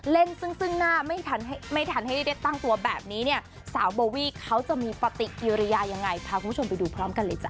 เล่นซึ่งหน้าไม่ทันให้ได้ตั้งตัวแบบนี้เนี่ยสาวโบวี่เขาจะมีปฏิกิริยายังไงพาคุณผู้ชมไปดูพร้อมกันเลยจ้